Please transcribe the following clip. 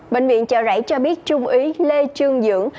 bệnh viện chợ rảy cho biết trung ý lê trương dưỡng